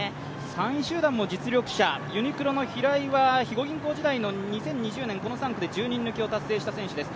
３位集団も実力者、ユニクロの平井は２０２０年、３区で１０人抜きを達成した選手です。